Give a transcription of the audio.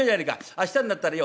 明日になったらよ